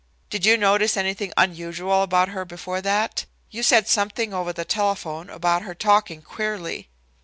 "Did you notice anything unusual about her before that? You said something over the telephone about her talking queerly."